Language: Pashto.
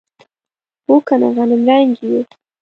هو کنه غنمرنګي یو.